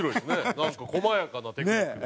なんか細やかなテクニックで。